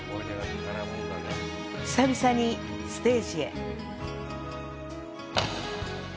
久々にステージへ。